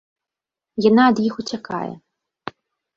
Яна ад іх уцякае.